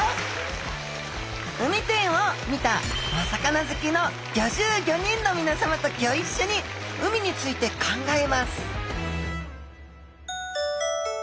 海展を見たお魚好きの５５人のみなさまとギョ一緒に海について考えます！